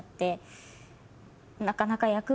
なかなか。